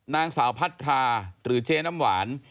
นางสาวพัทราหรือเจ๊น้ำหวาน